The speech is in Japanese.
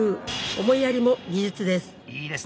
思いやりも技術です。